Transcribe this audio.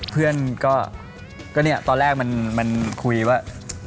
เพื่อนก็ตอนแรกคุยว่า